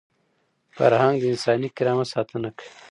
فرهنګ د انساني کرامت ساتنه کوي.